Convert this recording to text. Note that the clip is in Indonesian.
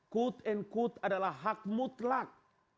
quote and quote adalah hak mutlak